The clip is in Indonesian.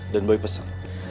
dan boy pesen